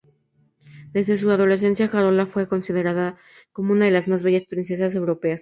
Desde su adolescencia, Carola fue considerada como una de las más bellas princesas europeas.